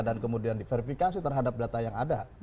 dan kemudian diverifikasi terhadap data yang ada